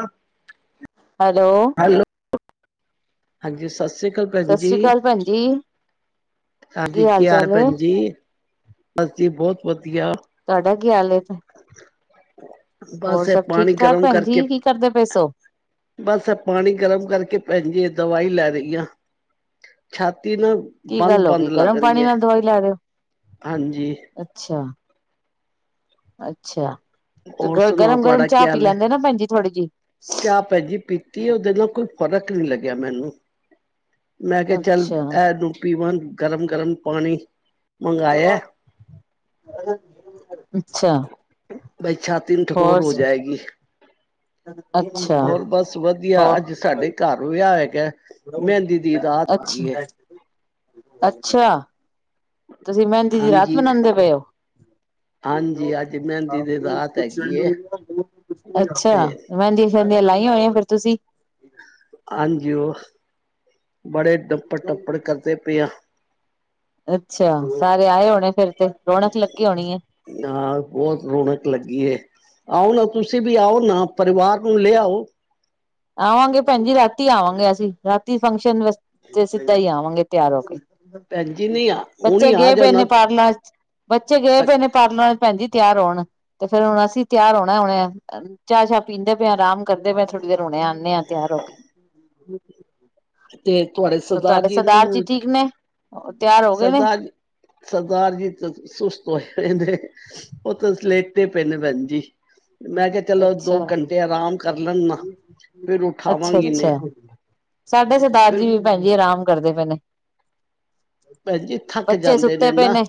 ਅ hello hello ਹਾਂਜੀ ਸਸ ਸ੍ਰੀ ਕਾਲ ਸਸ ਸ੍ਰੀ ਕਾਲ ਭੈਣ ਜੀ। ਹਾਂਜੀ ਕੀ ਹਾਲ ਭੈਣ ਜੀ ਬਸ ਜੀ ਬੋਹਤ ਵਧੀਆ। ਤੁਹਾਡਾ ਕੀ ਹਾਲ ਏ ਤ ਬਸ ਇਹ ਠੀਕ ਪਾਣੀ ਠਾਕ ਗਰਮ ਭੈਣ ਕਰਕੇ ਜੀ, ਕੀ ਕਰਦੇ ਪਏ ਸੋ? ਬਸ ਏਹ ਪਾਣੀ ਗਰਮ ਕਰਕੇ ਭੈਣ ਜੀ ਦਵਾਈ ਲੈ ਰਹੀ ਆ। ਛਾਤੀ ਨਾ ਕੀ ਗੱਲ ਹੋ ਬੰਦ-ਬੰਦ ਗਈ ਲੱਗ ਗਰਮ ਪਾਣੀ ਰਹੀ ਹੈ ਨਾਲ ਦਵਾਈ ਲੈ ਰਹੇ ਹੋ, ਹਾਂਜੀ। ਅੱਛਾ। ਅੱਛਾ ਤੇ ਹੋਰ ਗ ਸੁਣਾਓ ਗਰਮ-ਗਰਮ ਤੁਹਾਡਾ ਕੀ ਚਾਹ ਪੀ ਹਾਲ ਹੈ? ਲੈਂਦੇ ਨਾ ਭੈਣਜੀ ਥੋੜ੍ਹੀ ਜਿਹੀ। ਚਾਹ ਭੈਣ ਜੀ ਪੀਤੀ ਹੈ ਉਹਦੇ ਨਾਲ ਕੋਈ ਫ਼ਰਕ ਨੀ ਲੱਗਿਆ ਮੈਨੂੰ। ਮੈਂ ਕਿਹਾ ਚੱਲ ਅੱਛਾ, ਇਹਨੂੰ ਪੀਵਾਂ ਗਰਮ-ਗਰਮ ਪਾਣੀ। ਮੰਗਾਇਆ [unintelligible] ਅੱਛਾ। [unintelligible] ਤਿੰਨ ਹੋਰ ਟਕੋਰ ਹੋ ਅੱਛਾ ਜਾਏਗੀ, ਹੋਰ ਬਸ ਵਧੀਆ ਅੱਜ ਸਾਡੇ ਘਰ ਵਿਆਹ ਹੈਗਾ। ਮਹਿੰਦੀ ਦੀ ਰਾਤ [unintelligible] ਅੱਛ ਹੈਗੀ ਹੈ ਅੱਛਾ। ਤੁਸੀਂ ਮਹਿੰੰਦੀ ਦੀ ਰਾਤ ਹਾਂਜੀ ਬਨਾਉਂਦੇ ਪਏ ਹੋ। ਹਾਂਜੀ ਅੱਜ ਮਹਿੰਦੀ ਦੀ ਰਾਤ ਹੈਗੀ ਏ ਤੇ ਅੱਛਾ ਮਹਿੰਦੀ ਉਨੇ ਲਾਈਆਂ ਹੋਣੀ ਫਿਰ ਤੁਸੀਂ। ਹਾਂਜੀ ਉਹ ਬੜੇ ਡੱਪੜ-ਟੱਪੜ ਕਰਦੇ ਪਏ ਆ। ਅੱਛਾ ਸਾਰੇ ਆਏ ਹੋਨੇ ਫੇਰ ਤੇ ਰੌਨਕ ਲੱਗੀ ਹੋਨੀ ਏ। ਹਾਂ ਬੋਤ ਰੌਨਕ ਲੱਗੀ ਏ। ਆਓ ਨਾ ਤੁਸੀਂ ਵੀ ਆਓ ਨਾ ਪਰਿਵਾਰ ਨੂੰ ਲਿਆਓ। ਆਵਾਂਗੇ ਭੈਨ ਜੀ ਰਾਤੀ ਆਵਾਂਗੇ ਅਸੀਂ ਰਾਤੀ ਫੰਕਸ਼ਨ ਤੇ ਸਿੱਦਾ ਈ ਆਵਾਂਗੇ ਤਿਆਰ ਹੋ ਕੇ। ਭੈਣ ਜੀ ਨੇ ਹੁਣੀ ਬੱਚੇ ਆ ਗਏ ਪਏ ਜਾਣਾ ਨੇ ਪਾਰਲਰ ਚ। ਬੱਚੇ ਗਏ ਪਏ ਨੇ ਪਾਰਲਰਾਂ ਚ ਭੈਨ ਜੀ ਤਿਆਰ ਹੋਨ ਤੇ ਫੇਰ ਹੁਨ ਅਸੀਂ ਤਿਆਰ ਹੋਨਾ ਹੁਨ। ਚਾਅ ਸ਼ਾਅ ਪੀਂਦੇ ਪਏ ਆਂ ਆਰਾਮ ਕਰਦੇ ਪਏ ਥੋੜ੍ਹੀ ਦੇਰ ਹੁਨੇ ਆਂਨੇ ਆ ਤਿਆਰ ਹੋ ਕੇ। ਤੇ ਤੁਆਡੇ ਸਰਦਾਰ ਤੁਹਾਡੇ ਜੀ ਨੂੰ, ਠੀਕ ਨੇ ਤਿਆਰ ਹੋ ਗਏ ਨੇ ਸਰਦਾਰ ਸਰਦਾਰ ਜੀ ਸੁ ਸੁਸਤ ਹੋਏ ਰੈਂਦੇ। ਓ ਤਾਂ ਸਲੇਟੇ ਪਏ ਨੇ ਭੈਨਜੀ, ਮੈਂ ਕਿਆ ਚਲੋ ਅੱਛਾ। ਦੋ ਘੰਟੇ ਆਰਾਮ ਕਰ ਲੈਨ ਨਾ, ਫੇਰ ਉਠਾਵਾਂਗੀ ਏਨੇ। ਅੱਛਾ-ਅੱਛਾ ਸਾਡੇ ਸਰਦਾਰ ਜੀ ਵੀ ਭੈਨ ਜੀ ਆਰਾਮ ਕਰਦੇ ਪਏ ਨੇ। ਭੈਣ ਜੀ ਥੱਕ ਬੱਚੇ ਜਾਂਦੇ ਸੁੱਤੇ ਪਏ ਨਾ ਨੇ।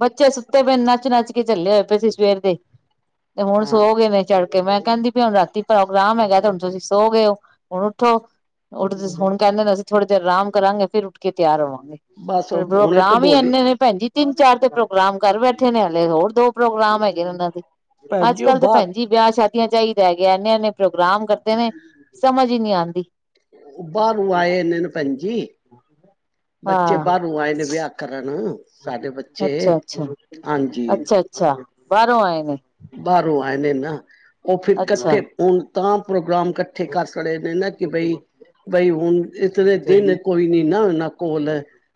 ਬੱਚੇ ਸੁੱਤੇ ਪਏ ਨੇ ਨੱਚ-ਨੱਚ ਕੇ ਝੱਲੇ ਹੋਏ ਪਏ ਸੀ ਸਵੇਰ ਦੇ, ਤੇ ਹੁਨ ਹਾਂ ਸੋ ਗਏ ਨੇ ਚੜ ਤੇ ਮੈਂ ਕੈਂਦੀ ਪਈ ਆ ਹੁਨ ਰਾਤੀ ਪ੍ਰੋਗਰਾਮ ਹੈਗਾ ਤੇ ਹੁਨ ਤੁਸੀਂ ਸੋ ਗਏ ਹੋ ਹੁਨ ਉੱਠੋ। ਉੱਠਦੇ ਹੁਨ ਕੈਂਦੇ ਨੇ ਅਸੀਂ ਥੋੜ੍ਹੀ ਦੇਰ ਰਾਮ ਕਰਾਂਗੇ ਫਿਰ ਉੱਠ ਕੇ ਤਿਆਰ ਹੋਵਾਂਗੇ। ਬਸ ਉਹ ਪ੍ਰੋ ਹੁਣੇ ਪ੍ਰੋਗਰਾਮ ਈ ਕਢੋਲੀ ਐਨੇ ਨੇ। ਭੈਨਜੀ ਤਿੰਨ ਚਾਰ ਤੇ ਪ੍ਰੋਗਰਾਮ ਘਰ ਬੈਠੇ ਨੇ ਹਲੇ ਹੋਰ ਦੋ ਪ੍ਰੋਗਰਾਮ ਹੈਗੇ ਨੇ ਓਨਾਂ ਦੇ। ਭੈਣ ਅੱਜ ਜੀ ਉਹ ਕੱਲ ਤਾਂ ਬਾਹਰ ਭੈਨ ਜੀ ਵਿਆਹ ਸ਼ਾਦੀਆਂ ਚ ਐਈ ਰੈ ਗੇਆ ਐਨ-ਐਨੇ ਪ੍ਰੋਗਰਾਮ ਕਰਦੇ ਨੇ ਸਮਝ ਈ ਨੀ ਆਂਦੀ। ਬਾਰੋਂ ਆਏ ਏਨੇ ਨੂੰ ਭੈਨ ਜੀ, ਬੱਚੇ ਹਾਂ ਬਾਰੋਂ ਆਏ ਨੇ ਵਿਆਹ ਕਰਨ ਸਾਡੇ ਬੱਚੇ ਅੱਛਾ ਅੱਛਾ ਹਾਂਜੀ। ਅੱਛਾ ਅੱਛਾ ਬਾਰੋਂ ਆਏ ਨੇ। ਬਾਰੋਂ ਆਏ ਨੇ ਨਾ। ਓ ਫਿਰ ਅੱਛਾ ਕੱਠੇ ਹੁਨ ਤਾਂ ਪ੍ਰੋਗਰਾਮ ਕੱਠੇ ਕਰ ਸੜੇ ਨੇ ਨਾ ਕੇ ਬਈ ਬਈ ਹੁਨ ਏਥੇ ਤੇ ਦਿਨ ਕੋਈ ਨੀ ਨਾ ਓਨਾਂ ਕੋਲ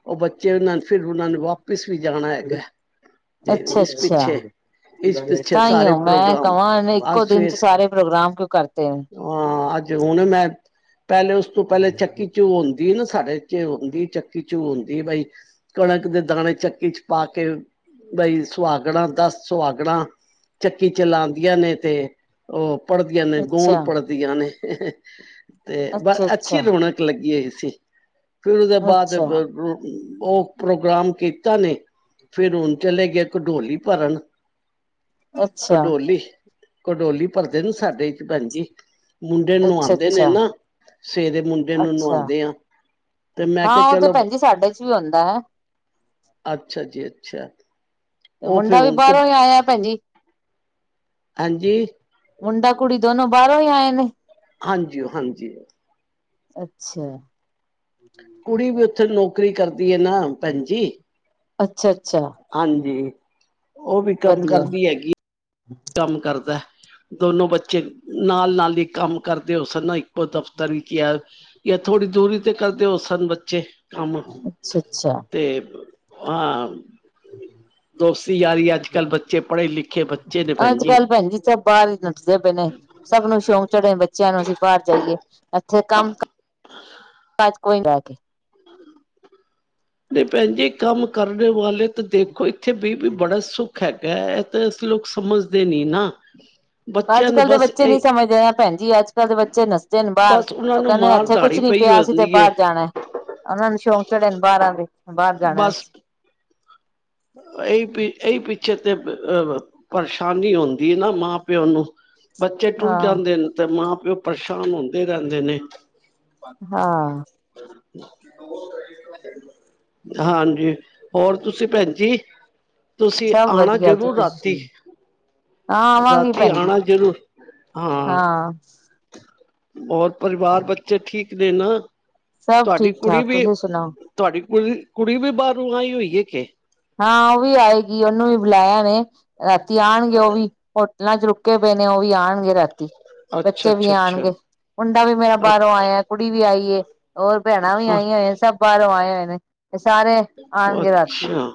ਓ ਬੱਚੇ ਨਾਲ ਫਿਰ ਉਨਾਂ ਨੇ ਵਾਪ ਪਿਸ ਵੀ ਜਾਨਾ ਹੈਗਾ, ਤੇ ਇਸ ਪਿੱਛੇ ਇਸ ਪਿੱਛੇ ਸਾਰੇ ਤਾਂਈਓ ਮੈਂ ਪ੍ਰੋਗਰਾਮ ਕਵਾ ਏਨੇ ਅੱਜ ਇੱਕੋ ਦਿਨ ਫਿਰ ਚ ਸਾਰੇ ਪ੍ਰੋਗਰਾਮ ਕਿਓਂ ਕਰਤੇ ਨੇ। ਹਾਂ ਅੱਜ ਹੁਨ ਮੈਂ ਪੈਲੇ ਉਸ ਤੋਂ ਪੈਲੇ ਚੱਕੀ ਚੋਨ ਕੀਨੂੰ ਸਾਡੇ ਏਥੇ ਹੁੰਦੀ ਚੱਕੀ ਚੂਨ ਦੀ ਬਈ ਕਣਕ ਦੇ ਦਾਣੇ ਚੱਕੀ ਚ ਪਾ ਕੇ ਬਈ ਸੁਹਾਗਨਾ ਦਸ ਸੁਹਾਗਨਾ ਚੱਕੀ ਚਲਾਂਦੀਆਂ ਨੇ ਤੇ ਓ ਪੜ੍ਹਦੀਆਂ ਨੇ ਗੋਨ ਅੱਛਾ। ਪੜ੍ਹਦੀਆਂ ਨੇ। ਤੇ ਬਸ ਅੱਛਾ-ਅੱਛਾ, ਅੱਛੀ ਰੌਨਕ ਲੱਗੀ ਹੋਈ ਸੀ ਫਿਰ ਓਦੇ ਬਾਦ ਅੱਛਾ, ਓ ਪ੍ਰੋਗਰਾਮ ਕੀਤਾ ਨੀ, ਫੇਰ ਹੁਨ ਚਲੇ ਗਏ ਕਡੋਲੀ ਭਰਨ। ਅੱਛਾ, ਕਡੋਲੀ, ਕਡੋਲੀ ਭਰਦੇ ਨੇ ਸਾਡੇ ਏ ਚ ਭੈਨ ਜੀ। ਮੁੰਡੇ ਨੂੰ ਨਵਾਂਦੇ ਨੇ ਅੱਛਾ-ਅੱਛਾ, ਨਾ, ਸਵੇਰੇ ਮੁੰਡੇ ਨੂੰ ਅੱਛਾ। ਨਵਾਂਦੇ ਆਂ। ਤੇ ਮੈਂ ਕਿਆ ਚਲੋ ਚੁਆਂਦਾ ਅੱਛਾ ਜੀ ਅੱਛਾ। ਤੇ ਉਹ ਮੁੰਡਾ ਫਿਰ ਵੀ ਹੁਣ ਬਾਰੋਂ ਈ ਆਏਐ ਭੈਨਜੀ। ਹਾਂਜੀ। ਮੁੰਡਾ ਕੁੜੀ ਦੋਨੋ ਬਾਰੋਂ ਈ ਆਏ ਨੇ। ਹਾਂਜੀ ਓ ਹਾਂਜੀ। ਅੱਛੇਆ। ਕੁੜੀ ਵੀ ਉਥੇ ਨੌਕਰੀ ਕਰਦੀ ਏ ਨਾ ਭੈਣ ਜੀ। ਅੱਛਾ ਅੱਛਾ। ਹਾਂਜੀ। ਉਹ ਵੀ ਕੰਮ ਵਧੀਆ, ਕਰਦੀ ਹੈਗੀ। [unintelligible] ਕੰਮ ਕਰਦਾ ਐ ਦੋਨੋ ਬੱਚੇ ਨਾਲ ਨਾਲ ਈ ਕੰਮ ਕਰਦੇ ਹੋ ਸਨ ਇੱਕੋ ਦਫ਼ਤਰ ਵਿੱਚ ਐ ਯਾਂ ਥੋੜ੍ਹੀ ਦੂਰੀ ਤੇ ਕਰਦੇ ਹੋ ਸਨ ਬੱਚੇ ਕੰਮ ਅੱਛਾ-ਅੱਛਾ, ਤੇ ਹਾਂ। ਦੋਸਤੀ ਯਾਰੀ ਅੱਜ ਕੱਲ ਬੱਚੇ ਪੜ੍ਹੇ ਲਿਖੇ ਅੱਜ ਕੱਲ ਭੈਣਜੀ ਸਬ ਬਾਰ ਈ ਨਸਦੇ ਪੇ ਨੇ ਸਭ ਨੂੰ ਸ਼ੌਂਕ ਚੜਿਆ ਬੱਚੇਆਂ ਨੂੰ ਅਸੀ ਬਾਰ ਜਾਈਏ। ਏਥੇ ਕੰਮ ਕ ਅਜ ਕੋਈ ਰਹਗੇ। ਨਈ ਭੈਣ ਜੀ ਕੰਮ ਕਰਨੇ ਵਾਲੇ ਤੇ ਦੇਖੋ ਇੱਥੇ ਬੀ ਬੀ ਬੜਾ ਸੁੱਖ ਹੈਗਾ ਐ। ਤੇ ਅਸ ਲੋਕ ਸਮਝਦੇ ਨੀ ਨਾ ਅੱਜ ਬੱਚਿਆਂ ਨੂੰ ਕੱਲ ਦੇ ਬਸ ਬੱਚੇ ਇਹ ਨੀ ਸਮਝਦੇ ਨਾ ਭੈਣ ਜੀ। ਅੱਜ ਕੱਲ ਦੇ ਬੱਚੇ ਨਸ ਜਨ ਬਾਰ ਬਸ ਉਹਨਾਂ ਓ ਨੂੰ ਕਹਿੰਦੇ ਮਾਰ ਏਥੇ ਕੁਛ ਦਾੜੀ ਨੀ ਪਈ ਪਿਆ ਅਸੀ ਤੇ ਹੁੰਦੀ ਹੈ ਬਾਰ ਜਾਣਾ ਓਨਾਂ ਨੂੰ ਸ਼ੌਂਕ ਚੜੇ ਨੇ ਬਾਰਾਂ ਦੇ ਬਾਰ ਜਾਣਾ ਅਸ ਏਈ ਪੀ ਏਇ ਪਿਛੇ ਤੇ ਪਰਸ਼ਾਨੀ ਹੁੰਦੀ ਨਾ ਮਾਂ ਪਿਓ ਨੂੰ ਬੱਚੇ ਟੁੱਰ ਹਾਂ ਜਾਂਦੇ ਨੇ ਤੇ ਮਾਂ ਪਿਓ ਪਰਸ਼ਾਨ ਹੁੰਦੇ ਰਹਿੰਦੇ ਨੇ। ਹਾਂ। ਹਾਂਜੀ। ਹੋਰ ਤੁਸੀਂ ਭੈਣ ਜੀ। ਤੁਸੀ ਸਭ ਆਣਾ ਵਧੀਆ ਜੀ ਜ਼ਰੂਰ ਰਾਤੀ। ਤੁਸੀਂ ਹਾਂ ਆਵਾਂਗੀ ਰਾਤੀ ਭੈਣ ਜੀ ਆਣਾ ਜਰੂਰ ਹਾਂ। ਹਾਂ। ਹੋਰ ਪਰਵਾਰ ਬੱਚੇ ਠੀਕ ਨੇ ਨਾ ਸਭ ਤੁਹਾਡੀ ਠੀਕ ਕੁੜੀ ਠਾਕ ਵੀ ਤੁਸੀਂ ਸੁਣਾਓ ਤੁਹਾਡੀ ਕੁੜੀ ਕੁੜੀ ਵੀ ਬਾਰੋਂ ਆਈ ਹੋਈ ਏ ਕੇ ਹਾਂ ਓ ਵੀ ਆਏਗੀ ਓਨੂੰ ਵੀ ਬੁਲਾਇਆ ਵੈ ਰਾਤੀ ਆਣਗੇ ਉਹ ਵੀ ਰਾ ਚ ਰੁਕੇ ਪਏ ਨੇ ਓ ਵੀ ਆਣਗੇ ਰਾਤੀ। ਅੱਛਾ ਬੱਚੇ ਵੀ ਅੱਛਾ ਆਣਗੇ ਅੱਛਾ ਮੁੰਡਾ ਵੀ ਮੇਰਾ ਬਾਰੋਂ ਅੱਛਾ ਆਇਆ ਕੁੜੀ ਵੀ ਆਈ ਏ। ਹੋਰ ਭੈਣਾਂ ਵੀ ਆਈਆਂ ਹੋਈ। ਸਭ ਬਾਰੋਂ ਆਏ ਹੋਏ ਨੇ ਤੇ ਸਾਰੇ ਆਣਗੇ ਰਾਤੀ ਅੱਛਾ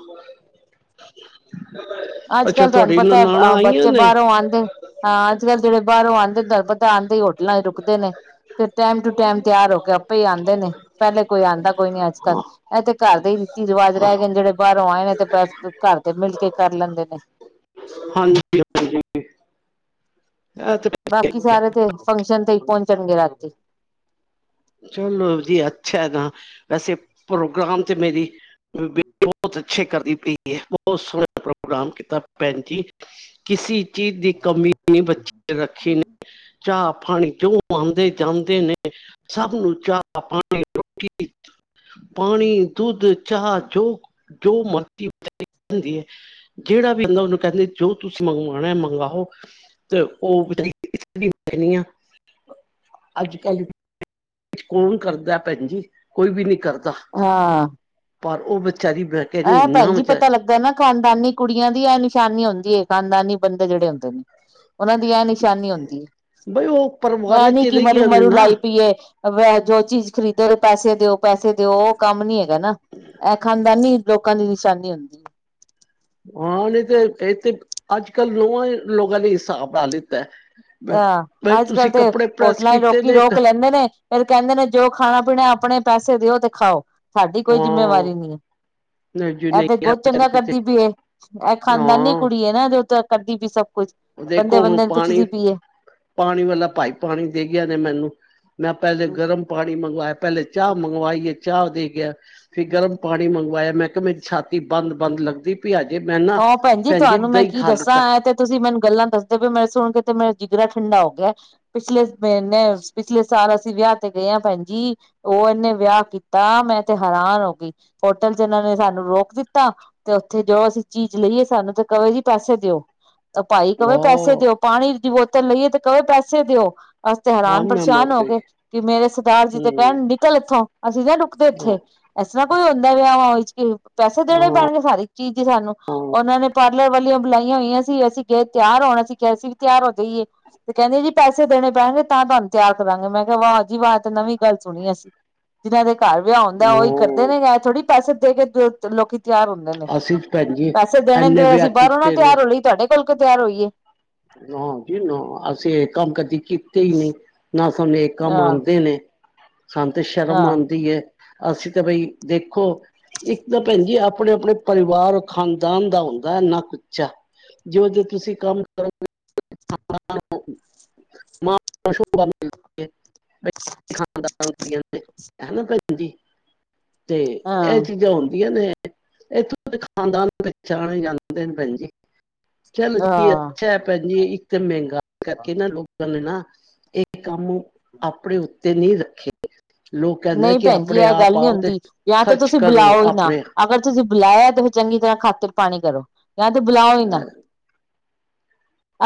ਅੱਜ ਅੱਛਾ ਕੱਲ ਤੁਹਾਨੂੰ ਤੁਹਾਡੀ ਪਤਾ ਨਨਾਣਾ ਹੈ ਆਈਆਂ ਬੱਚੇ ਨੇ ਬਾਹਰੋਂ ਆਂਦੇ ਹਾਂ ਅੱਜ ਕੱਲ੍ਹ ਜਿਹੜੇ ਬਾਹਰੋਂ ਆਂਦੇ ਨੇ ਦ ਪਤਾ ਆਂਦੇ ਹੀ ਹੋਟਲਾਂ ਚ ਰੁਕਦੇ ਨੇ ਫਿਰ ਟਾਈਮ ਟੂ ਟਾਈਮ ਤਿਆਰ ਹੋ ਕੇ ਆਪੇ ਹੀ ਆਉਂਦੇ ਨੇ ਪਹਿਲੇ ਕੋਈ ਆਉਂਦਾ ਕੋਈ ਨਹੀਂ ਅੱਜ ਕੱਲ ਇਹ ਤੇ ਘਰਦੇ ਹੀ ਵਾਜ਼ ਰਹਿ ਗਏ ਨੇ ਜਿਹੜੇ ਬਾਹਰੋਂ ਆਏ ਨੇ ਤੇ ਪੈਸ ਘਰ ਦੇ ਮਿਲ ਕੇ ਕਰ ਲੈਂਦੇ ਨੇ ਹਾਂਜੀ ਹਾਂਜੀ ਇਹ ਤੇ ਬਾਕੀ ਸਾਰੇ ਤੇ ਫੰਕਸ਼ਨ ਤੇ ਹੀ ਪਹੁੰਚਣਗੇ ਰਾਤੀ ਚਲੋ ਜੀ ਅੱਛਾ ਹੈ ਨਾ ਵੈਸੇ ਪ੍ਰੋਗਰਾਮ ਚ ਮੇਰੀ ਬਹੁਤ ਅੱਛੇ ਕਰ ਦੀ ਪਈ ਹੈ ਬਹੁਤ ਸੋਹਣਾ ਪ੍ਰੋਗਰਾਮ ਕੀਤਾ ਭੈਣ ਜੀ। ਕਿਸੇ ਚੀਜ਼ ਦੀ ਕਮੀ ਨਹੀਂ ਬੱਚੇ ਰੱਖੀ ਨੇ ਚਾਹ ਪਾਣੀ ਚ ਓਹ ਆਂਦੇ ਜਾਂਦੇ ਨੇ ਸਭ ਨੂੰ ਚਾਹ ਪਾਣੀ ਰੋਟੀ ਪਾਣੀ ਦੁੱਧ ਚਾਹ ਜੋ ਜੋ ਮਰਜੀ ਜਾਂਦੀ ਹੈ ਜਿਹੜਾ ਵੀ ਆਂਦਾ ਉਹਨੂੰ ਕਹਿੰਦੇ ਜੋ ਤੁਸੀਂ ਮੰਗਵਾਣਾ ਏ ਮੰਗਵਾਓ ਤੇ ਉਹ [unintelligible] ਅੱਜ ਕੱਲ ਕੌਣ ਕਰਦਾ ਭੈਣ ਜੀ ਕੋਈ ਵੀ ਨੀ ਕਰਦਾ [unintelligible] [unintelligible] ਐਹ ਭੈਣ ਜੀ ਵਿਚਾਰ ਪਤਾ ਲੱਗਾ ਨਾ ਖ਼ਾਨਦਾਨੀ ਕੁੜੀਆਂ ਦੀ ਆ ਨਿਸ਼ਾਨੀ ਹੁੰਦੀ ਏ ਖਾਨਦਾਨੀ ਬੰਦੇ ਜੇੜੇ ਹੁੰਦੇ ਨੇ। ਉਹਨਾਂ ਦੀ ਇਹ ਨਿਸ਼ਾਨੀ ਹੁੰਦੀ ਬਈ ਉਹ ਐਹ ਪਰਿਵਾਰਾਂ ਨੀ ਚ ਕਿ ਮਰੂ ਰਹੀਆਂ ਨੇ ਮਰੂ ਨਾ ਲਾਈ ਪੀ ਏ ਜੋ ਚੀਜ਼ ਖਰੀਦੋ ਪੈਸੇ ਦਿਓ ਪੈਸੇ ਦਿਓ ਉਹ ਕੰਮ ਨੀ ਹੈਗਾ ਨਾ ਇਹ ਖਾਨਦਾਨੀ ਲੋਕਾਂ ਦੀ ਨਿਸ਼ਾਨੀ ਹੁੰਦੀ। ਹਾਂ ਨਹੀਂ ਤੇ ਇਥ ਤੇ ਅੱਜ ਕੱਲ੍ਹ ਲੋਹਾਂ ਲੋਗਾ ਨੇ ਹਿੱਸਾਬ ਲਾ ਲਿੱਤਾ ਬ- ਆ ਬਈ ਅੱਜ ਕੱਲ ਤੁਸੀਂ ਤੇ ਕੱਪੜੇ ਪ੍ਰੈਸ ਹੋਟਲਾਂ ਚ ਕੀਤੇ ਰੋਕੀ ਨੇ ਕ- ਰੋਕ ਲੈਂਦੇ ਨੇ ਫੇਰ ਕਹਿੰਦੇ ਨੇ ਜੋ ਖਾਣਾ ਪੀਣਾ ਆਪਣੇ ਪੈਸੇ ਦਿਓ ਤੇ ਖਾਓ ਸਾਡੀ ਕੋਈ ਜਿੰਮੇਵਾਰੀ ਹਾਂ ਨਹੀਂ ਹੈ। ਐ ਤੇ ਬਹੁਤ ਚੰਗਾ ਕਰਦੀ ਪੀ ਏ ਇਹ ਖਾਨਦਾਨੀ ਕੁੜੀ ਹਾਂ ਏ ਨਾ ਜੋ ਕਰਦੀ ਪਈ ਸਭ ਕੁਛ ਦੇਖੋ ਬੰਦੇ ਹੁਣ ਬੰਦੇ ਨੂੰ ਪਾਣੀ ਪੁੱਛਦੀ ਪਈ ਪਾਣੀ ਵਾਲਾ ਭਾਈ ਪਾਣੀ ਦੇ ਗਿਆ ਨੇ ਮੈਨੂੰ ਮੈਂ ਪਹਿਲੇ ਗਰਮ ਪਾਣੀ ਮੰਗਵਾਯਾ ਪਹਿਲੇ ਚਾਹ ਮੰਗਵਾਈ ਏ ਚਾਹ ਦੇ ਗਿਆ ਫੇਰ ਗਰਮ ਪਾਣੀ ਮੰਗਵਾਯਾ ਮੈਂ ਕਿਹਾ ਮੇਰੀ ਛਾਤੀ ਬੰਦ ਬੰਦ ਲੱਗਦੀ ਪਈ ਆਜ ਮੈਂ ਨਾ ਹਾਂ ਭੈਣ ਜੀ ਭੈਣਜੀ ਤੁਹਾਨੂੰ ਮੈਂ ਦਹੀ ਕੀ ਖਾ ਦੱਸਾਂ ਲਿਤਾ ਐ ਤੇ ਤੁਸੀਂ ਮੈਨੂੰ ਗੱਲਾਂ ਦੱਸੋਗੇ ਮੈਂ ਸੁਣ ਕੇ ਤੇ ਮੇਰਾ ਜਿਗਰਾ ਠੰਡਾ ਹੋ ਗਯਾ। ਪਿਛਲੇ ਮਹੀਨੇ ਪਿਛਲੇ ਸਾਲ ਅਸੀਂ ਵਿਆਹ ਤੇ ਗਏ ਆ ਭੈਣ ਜੀ- ਉਹ ਐਨੇ ਵਿਆਹ ਕੀਤਾ ਮੈਂ ਤੇ ਹੈਰਾਨ ਹੋ ਗਈ ਹੋਟਲ ਚ ਇਹਨਾਂ ਨੇ ਸਾਨੂੰ ਰੋਕ ਦਿੱਤਾ ਤੇ ਉੱਥੇ ਜੋ ਅਸੀਂ ਚੀਜ਼ ਲਈ ਏ ਸਾਨੂੰ ਤੇ ਕਹਵੇ ਜੀ ਪੈਸੇ ਦਿਓ ਤਾਂ ਭਾਈ ਕਹਵੇ ਪੈਸੇ ਵਾਹ ਦਿਓ ਪਾਣੀ ਦੀ ਬੋਤਲ ਲਈ ਏ ਤੇ ਕਹਵੇ ਪੈਸੇ ਦਿਓ ਅਸੀ ਤੇ ਹਾਂ ਹੈਰਾਨ ਮੈਂ ਪਰੇਸ਼ਾਨ ਮਰ ਹੋ ਗਈ ਗਏ। ਕਿ ਮੇਰੇ ਸਰਦਾਰ ਜੀ ਤੇ ਹਮ ਕਹਿਣ ਨਿਕਲ ਇੱਥੋਂ ਅਸੀਂ ਨਾ ਰੁਕਦੇ ਇੱਥੇ। ਹਾਂ ਇਸ ਤਰ੍ਹਾਂ ਕੋਈ ਹੁੰਦਾ ਵਿਆਵਾਂ ਵਿਚ ਤੇ ਪੈਸੇ ਦੇਣੇ ਹਾਂ ਪੈਣਗੇ ਹਰ ਇੱਕ ਚੀਜ਼ ਦੇ ਸਾਨੂੰ ਉਹਨਾਂ ਨੇ ਪਾਰਲਰ ਵਾਲੀਆਂ ਬੁਲਾਈਆਂ ਹੋਈਆਂ ਸੀ ਅਸੀਂ ਗਏ ਤਿਆਰ ਹੋਣਾ ਅਸੀ ਕਿਹਾ ਅਸੀਂ ਵੀ ਤਿਆਰ ਹੋ ਜਾਈਏ ਤੇ ਕਹਿੰਦੇ ਜੀ ਪੈਸੇ ਦੇਣੇ ਪੈਣਗੇ ਤਾਂ ਤੁਵਨੂੰ ਤਿਆਰ ਕਰਾਂਗੇ ਮੈਂ ਕਿਹਾ ਵਾਹ ਜੀ ਵਾਹ ਐਹ ਤੇ ਨਵੀਂ ਗੱਲ ਸੁਣੀ ਏ। ਜਿਨਾਂ ਦੇ ਘਰ ਵਿਆਹ ਹੁੰਦਾ ਉਹੀ ਕਰਦੇ ਨੇ ਐਹ ਥੋੜੀ ਪੈਸੇ ਦੇ ਕੇ ਲੋਕੀ ਤਿਆਰ ਹੁੰਦੇ ਨੇ। ਅਸੀ ਭੈਣ ਜੀ ਪੈਸੇ ਦੇਣੇ ਨੇ ਇੰਨੇ ਤੇ ਵਿਆਹ ਅਸੀਂ ਬਾਹਰੋਂ ਨਾ ਕੀਤੇ ਨੇ ਤਿਆਰ ਹੋ ਲਈਏ ਤੁਵਾਡੇ ਕੋਲ ਕਯੋਂ ਤਿਆਰ ਹੋਈਏ? ਨਾ ਜੀ ਨਾ, ਅਸੀਂ ਇਹ ਕੰਮ ਕਦੀ ਕੀਤੇ ਈ ਨੀ, ਨਾ ਸਾਨੂੰ ਇਹ ਕੰਮ ਆਹ ਆਂਦੇ ਨੇ। ਸਾਨ ਤੇ ਸ਼ਰਮ ਆਹ ਆਂਦੀ ਏ ਅਸੀਂ ਤਾਂ ਬਈ ਦੇਖੋ ਇੱਕ ਤਾਂ ਭੈਣ ਜੀ ਆਪਣੇ ਆਪਣੇ ਪਰਿਵਾਰ ਖਾਨਦਾਨ ਦਾ ਹੁੰਦਾ ਹੈ ਨਾਕ ਉੱਚਾ ਜੋ- ਜੋ ਤੁਸੀਂ ਕੰਮ [unintelligible] ਖਾਨਦਾਣ ਦੀਆਂ ਨੇ ਹੈਨਾ ਭੈਣ ਜੀ ਤੇ ਐਹ ਹਾਂ ਚੀਜ਼ਾਂ ਹੁੰਦੀਆਂ ਨੇ ਇਥੋਂ ਤੇ ਖਾਨਦਾਨਾ ਦੇ ਪਹਿਚਾਣੇ ਜਾਂਦੇ ਨੇ ਭੈਣ ਜੀ ਚੱਲ [unintelligible] ਹਾਂ [unintelligible] ਭੈਣ ਜੀ ਇੱਕ ਮਹਿੰਗਾ ਕਰਕੇ ਨਾ ਲੋਕ ਲੋਕਾ ਨੇ ਨਾ, ਇਹ ਕੰਮ ਆਪਣੇ ਉੱਤੇ ਨੀ ਰੱਖੇ। ਲੋਕ ਕਹਿੰਦੇ ਨਈ ਕਿ ਭੈਣ ਜੀ, ਆਪਣੇ ਇਹ ਗੱਲ ਆਪ ਨੀ ਆਓ ਤੇ ਹੁੰਦੀ, ਜਾਂ ਤੇ ਖਰਚ ਤੁਸੀਂ ਕਰੋ ਬੁਲਾਓ ਈ ਨਾ ਆਪਣੇ ਅਗਰ ਤੁਸੀਂ ਬੁਲਾਯਾ ਤੇ ਫਿਰ ਚੰਗੀ ਤਰਾਂ ਖਾਤਰ ਪਾਣੀ ਕਰੋ, ਜਾਂ ਤੇ ਬੁਲਾਓ ਈ ਨਾ।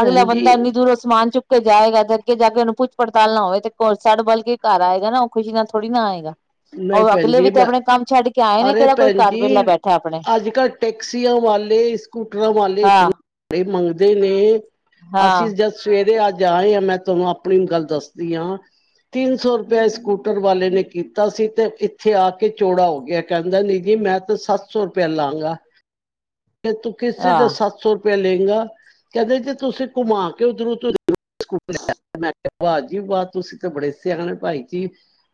ਅਗਲਾ ਜੀ ਬੰਦਾ ਐਨੀ ਦੂਰੋ ਸਮਾਨ ਚੁੱਕ ਚੁੱਕ ਕੇ ਜਾਏਗਾ ਤੇ ਅੱਗੇ ਜਾ ਕੇ ਉਹਨੂੰ ਪੁੱਛ-ਪੜਤਾਲ ਨਾ ਹੋਵੇ ਤੇ ਸਾੜ ਬਲ ਕੇ ਘਰ ਆਏਗਾ ਨਾ ਉਹ ਖੁਸ਼ੀ ਨਾਲ ਥੋੜ੍ਹੀ ਨਾ ਆਏਗਾ ਨਹੀਂ ਉਹ ਭੈਣ ਅਗਲੇ ਵੀ ਜੀ ਤੇ ਮੈਂ ਆਪਣੇ ਕੰਮ ਛੱਡ ਕੇ ਆਏ ਨੇ ਅਰੇ ਕਿਹੜਾ ਕੋਈ ਭੈਣ ਘਾਰ ਜੀ ਵੇਲਾ ਬੈਠਾ ਆਪਣੇ ਅੱਜ ਕੱਲ ਟੈਕਸੀਆਂ ਵਾਲੇ ਸਕੂਟਰਾਂ ਵਾਲੇ ਹਾਂ ਇਤਨੇ ਮੰਗਦੇ ਨੇ ਅਸੀਂ ਹਾਂ ਜ ਸਵੇਰੇ ਅੱਜ ਆਏ ਆਂ, ਮੈਂ ਤੁਆਨੂੰ ਆਪਨੀ ਗੱਲ ਦੱਸਦੀ ਆਂ ਤਿੰਨ ਸੌ ਰੁਪਏ ਸਕੂਟਰ ਵਾਲੇ ਨੇ ਕੀ ਤਾਂ ਅਸੀਂ ਤੇ ਇੱਥੇ ਆ ਕੇ ਚੌੜਾ ਹੋ ਗਿਆ ਕਹਿੰਦਾ ਨੀ ਜੀ ਮੈਂ ਤਾਂ ਸੱਤ ਸੌ ਰੁਪਇਆ ਲਾਗਾ ਤੇ ਤੂੰ ਕਿਸੇ ਹਾਂ ਦੇ ਸੱਤ ਸੌ ਤੇ ਲੇਂਗਾ, ਕੈਂਦੇ ਜੇ ਤੁਸੀਂ ਘੁ਼ੰਮਾ ਕੇ ਓਧਰੋਂ ਤੁ [unintelligible] ਵਾ ਜੀ ਵਾ ਤੁਸੀਂ ਤਾਂ ਬੜੇ ਸਿਆਣੇ ਭਾਈ ਜੀ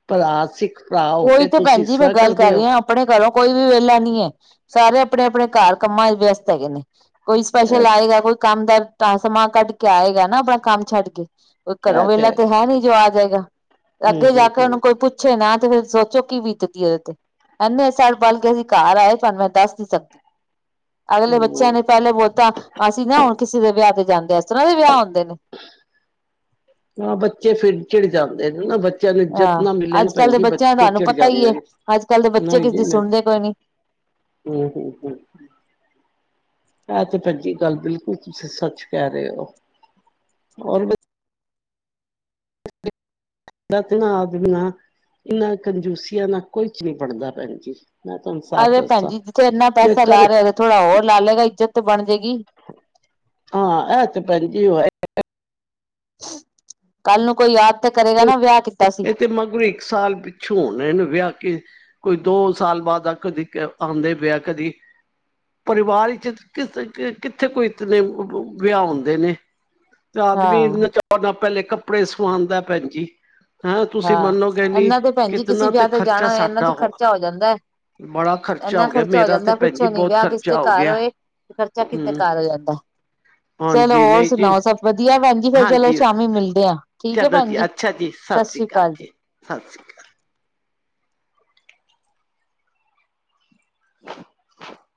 ਭਰਾ ਸਿੱ ਉਹੀ ਤੇ ਭੈਣ ਜੀ ਮੈਂ ਗੱਲ ਕਰ ਰਹੀ ਆ। ਆਪਣੇ ਘਰੋਂ ਕੋਈ ਵੀ ਵੇਹਲਾ ਨੀ ਏ ਸਾਰੇ ਆਪਣੇ-ਆਪਣੇ ਘਾਰ ਕੰਮਾਂ ਵਿਚ ਵਿਅਸਤ ਹੈਗੇ ਨੇ ਕੋਈ ਇਹ ਸਪੈਸ਼ਲ ਤੇ- ਆਏਗਾ ਕੋਈ ਕੰਮ ਦਾ ਸਮਾਂ ਕੱਢ ਕੇ ਆਏਗਾ ਨਾ ਆਪਣਾ ਕੰਮ ਛੱਡ ਕੇ। ਕੋਈ ਘਰੋ ਇਹ ਵੇਲਾ ਹੈ ਤੇ ਹੀ। ਹੈਨੀ ਜੋ ਆ ਜੇਗਾ ਹੂੰ ਅੱਗੇ ਜਾ ਹੂੰ ਕੇ ਉਹਨੂੰ ਹੂੰ ਕੋਈ ਪੁੱਛੇ ਨਾ ਤੇ ਫੇਰ ਸੋਚੋ ਕੀ ਬੀਤਦੀ ਉਹਦੇ ਤੇ ਐਨੇ ਸਾਲ ਬਾਦ ਅਸੀਂ ਘਰ ਆਏ ਤੁਹਾਨੂੰ ਮੈਂ ਦਸ ਨੀ ਸਕਦੀ ਅਗਲੇ ਬੱਚਿਆਂ ਹੂੰ ਨੇ ਪਹਿਲੇ ਬੋਲਤਾ ਅਸੀਂ ਨਾ ਹੁਣ ਕਿਸੇ ਦੇ ਵਿਆਹ ਤੇ ਜਾਂਦੇ ਐਸ ਤਰਾਂ ਦੇ ਵਿਆਹ ਹੁੰਦੇ ਨੇ ਹਾਂ ਬੱਚੇ ਫਿਰ ਚਿੜ ਜਾਂਦੇ ਨੇ ਨਾ ਬੱ ਬੱਚਿਆਂ ਨੂੰ ਇਜ਼ਤ ਹਾਂ ਨਾ ਮਿਲੇ ਨਾ ਅੱਜ ਕੱਲ੍ਹ ਦੇ ਭੈਣਜੀ ਬੱਚਿਆਂ ਬੱਚੇ ਤੁਹਾਨੂੰ ਚਿੜ ਪਤਾ ਹੀ ਜਾਂਦੇ ਹੈ ਨੇ ਅੱਜ ਕੱਲ੍ਹ ਦੇ ਬੱਚੇ ਨਈ ਕਿਸੇ ਜੀ ਦੀ ਨੀ ਸੁਣਦੇ ਕੋਈ ਹੂੰ, ਹੂੰ, ਹੂੰ ਐ ਤੇ ਭੈਣਜੀ ਗੱਲ ਬਿਲਕੁਲ ਤੁਸੀਂ ਸੱਚ ਕਹਿ ਰਹੇ ਔ ਹੋਰ ਬ [inaudible] [unintelligible] ਨਾ ਆਦਮੀਆਂ ਇੰਨਾ ਕੰਜੂਸੀਆਂ ਨਾਲ ਕੁਝ ਨੀ ਬਣਦਾ ਭੈਣਜੀ ਮੈਂ ਤੁਹਾਨੂੰ ਸੱਚ ਅਰੇ ਭੈਣਜੀ ਜਿੱਥੇ ਇੰਨਾ ਪੈਸਾ ਲਾ ਰਿਹਾ ਵੇ ਥੋੜਾ ਹੋਰ ਲਾ ਲਏਗਾ ਇੱਜ਼ਤ ਤੇ ਬਣ ਜੇਗੀ। ਹਾਂ ਇਹ ਤੇ ਭੈਣਜੀ [unintelligible] ਕਲ ਨੂੰ ਕੋਈ ਯਾਦ ਤੇ ਕਰੇਗਾ ਨਾ ਵਿਆਹ ਕੀਤਾ ਸੀ ਇਹ ਤੇ ਮਗਰ ਇੱਕ ਸਾਲ ਪਿੱਛੋਂ ਆਉਣਾ ਇਨੇ ਵਿਆਹ ਕੇ ਕੋਈ ਦੋ ਸਾਲ ਬਾਅਦ ਅੱਖ ਦੀਖੇ ਆਉਦੇ ਪਏ ਆ ਕਦੀ ਪਰਿਵਾਰ ਵਿੱਚ ਕਿੱਥੇ ਕ, ਕ ਕਿਥੇ ਕੋਈ ਇਤਨੇ ਵ ਵਿਆਹ ਹੁੰਦੇ ਨੇ ਤੇ ਆਦਮੀ ਇਨੇ ਹਾਂ ਚਾਅ ਨਾਲ ਪਹਿਲੇ ਕੱਪੜੇ ਸਿਵਾਉਦਾ ਭੈਨਜੀ ਹਾਂ ਇਹਨਾਂ ਤੇ ਭੈਣਜੀ ਕਿਸੇ ਕਿਤਨਾ ਵਿਆਹ ਤੇ ਖਰਚਾ ਜਾਣਾ ਹੋਏ ਇਹਨਾਂ ਸਾਡਾ ਤੇ ਖਰਚਾ ਹੋ ਜਾਂਦਾ ਏ ਬੜਾ ਏਨਾਂ ਗਿਆ ਖਰਚਾ ਹੋ ਮੇਰਾ ਤੇ ਜਾਂਦਾ ਭੈਣ ਜੀ ਪੁੱਛੋ ਨੀਂ ਬਹੁਤ ਵੇਆਹ ਕਿਸੇ ਖਰਚਾ ਹੋ ਘਾਰ ਗਿਆ ਹੋਏ, ਤੇ ਖਰਚਾ ਕਿਦੇ ਹਮ ਘਾਰ ਹੋ ਜਾਂਦਾ। ਚਲੋ ਹਾਂਜੀ ਔਰ ਨਹੀਂ ਜੀ ਸੁਣਾਓ ਸਭ ਵਧੀਆ ਭੈਣਜੀ ਫੇਰ ਚਲੋ ਹਾਂਜੀ ਸ਼ਾਮੀ ਮਿਲਦੇ ਆ ਠੀਕ ਏ ਭੈਣ ਜੀ। ਸਤਿ ਸ਼੍ਰੀ ਕਾਲ ਜੀ, ਸਤਿ ਸ਼੍ਰੀ ਕਾਲ [inaudible]